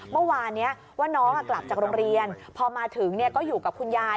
เมื่อวานนี้ว่าน้องกลับจากโรงเรียนพอมาถึงก็อยู่กับคุณยาย